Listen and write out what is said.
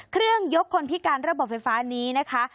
ยกคนพิการระบบไฟฟ้านี้นะคะ